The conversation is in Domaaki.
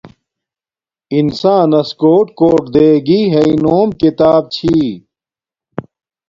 انساناس کوٹ کوٹ دیگی ہݵ نوم کتاب چھی